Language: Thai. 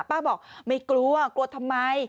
บอกไม่กลัวกลัวทำไม